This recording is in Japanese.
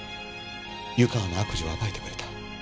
湯川の悪事を暴いてくれた。